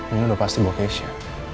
nih udah pasti bawa keisha